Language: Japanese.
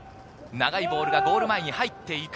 長いボールがゴール前に入っていく。